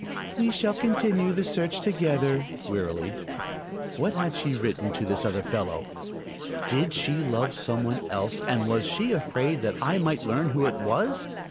"We shall continue the search together," wearily. What had she written to this other fellow? Did she love some one else and was she afraid that I might learn who it was?